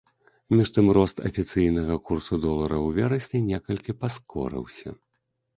Між тым рост афіцыйнага курсу долара ў верасні некалькі паскорыўся.